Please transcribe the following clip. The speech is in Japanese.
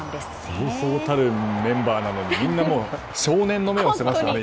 そうそうたるメンバーなのにみんな少年の目をしてましたね。